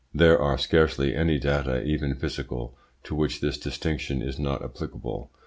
There are scarcely any data, even physical, to which this distinction is not applicable.